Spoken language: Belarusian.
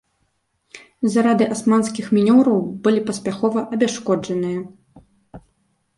Зарады асманскіх мінёраў былі паспяхова абясшкоджаныя.